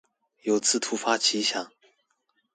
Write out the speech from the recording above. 有次突發奇想